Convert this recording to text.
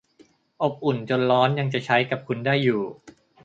อบอุ่นจนร้อนยังจะใช้กับคุณได้อยู่